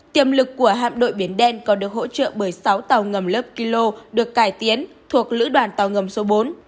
tiềm lực của hạm đội biển đen còn được hỗ trợ bởi sáu tàu ngầm lớp kilo được cải tiến thuộc lữ đoàn tàu ngầm số bốn